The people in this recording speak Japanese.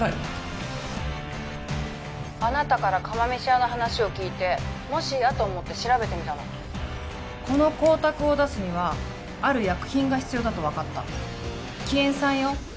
☎あなたから釜飯屋の話を聞いて☎もしやと思って調べてみたのこの光沢を出すにはある薬品が必要だと分かった希塩酸よ